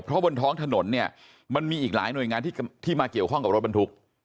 เพราะบนท้องถนนเนี่ยมันมีอีกหลายหน่วยงานที่มาเกี่ยวข้องกับรถบรรทุก